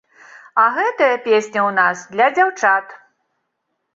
А гэтая песня ў нас для дзяўчат.